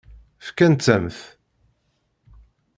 Fkant-am-t.